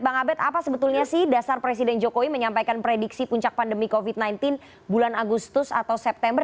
bang abed apa sebetulnya sih dasar presiden jokowi menyampaikan prediksi puncak pandemi covid sembilan belas bulan agustus atau september